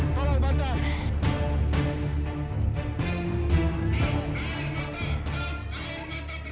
untuk korban kena peluru tajam